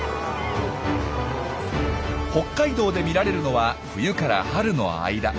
北海道で見られるのは冬から春の間。